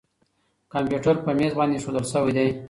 کمپیوټر په مېز باندې اېښودل شوی دی.